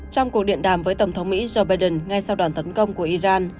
trong cuộc điện đàm với tổng thống mỹ joe biden ngay sau đoàn tấn công của iran